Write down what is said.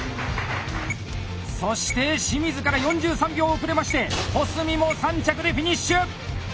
そして清水から４３秒遅れまして保住も３着でフィニッシュ！